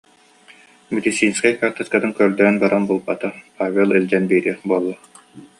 Медицинскэй карточкатын көрдөөн баран булбата, Павел илдьэн биэриэх буолла